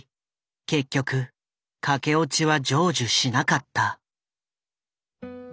結局駆け落ちは成就しなかった。